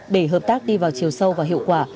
để hợp tác đi vào chiều sâu và hiệu quả